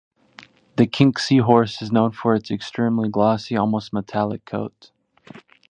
The Kinsky horse is known for its extremely glossy, almost metallic, coat.